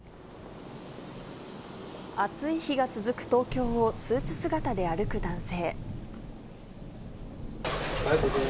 暑い日が続く東京を、スーツ姿で歩く男性。